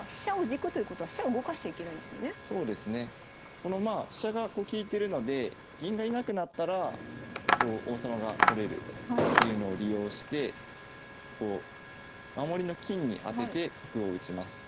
このまあ飛車が利いてるので銀がいなくなったら王様が取れるっていうのを利用してこう守りの金に当てて角を打ちます。